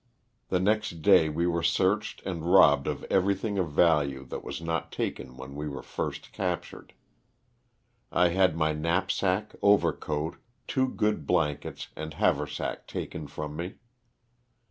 The next day we were searched and robbed of everything of value that was not taken when we were first captured. I had my knapsack, overcoat, two good blankets, and haversack taken from me.